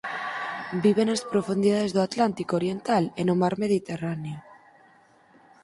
Vive nas profundidades do atlántico oriental e no mar Mediterráneo.